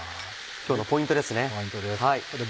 今日のポイントですね。